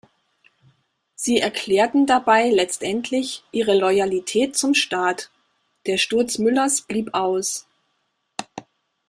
Sie erklärten dabei letztendlich ihre Loyalität zum Staat; der Sturz Müllers blieb aus.